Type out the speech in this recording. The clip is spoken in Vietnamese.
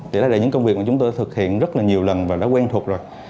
chỉ là những công việc mà chúng tôi thực hiện rất là nhiều lần và đã quen thuộc rồi